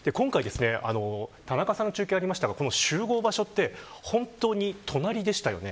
今回、田中さんの中継にありましたが、集合場所は本当に隣でしたよね。